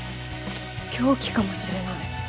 凶器かもしれない。